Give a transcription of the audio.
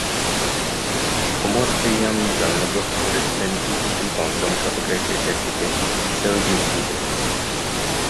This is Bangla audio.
ওমর খৈয়াম জন্ম গ্রহণ করেছিলেন হিজরী পঞ্চম শতকের শেষের দিকে সেলজুক যুগে।